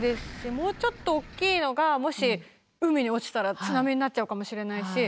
もうちょっと大きいのがもし海に落ちたら津波になっちゃうかもしれないし。